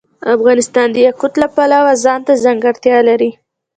افغانستان د یاقوت د پلوه ځانته ځانګړتیا لري.